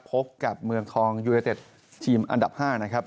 พบกับเมืองทองยูเนเต็ดทีมอันดับ๕นะครับ